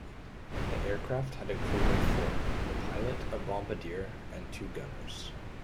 The aircraft had a crew of four, the pilot, a bombardier, and two gunners.